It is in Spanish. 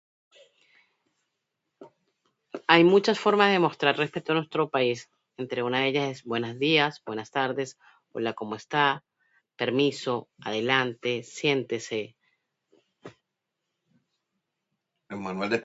"Hay muchas formas de mostrar respeto en nuestro país. Entre una de ellas es ""buenos días"", ""buenas tardes"", ""hola, ¿cómo está?"", ""permiso"", ""adelante"", ""siéntese""... (de manual es)"